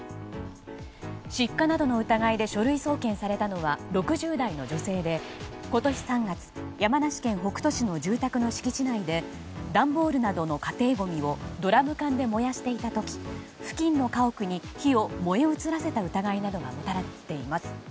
失火などの疑いで書類送検されたのは６０代の女性で、今年３月山梨県北杜市の住宅の敷地内で段ボールなどの家庭ごみをドラム缶で燃やしていた時付近の家屋に火を燃え移らせた疑いなどが持たれています。